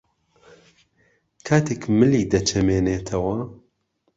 کاتێک ملی دەچەمێنێتەوە